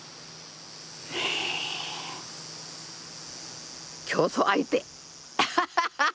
え競争相手。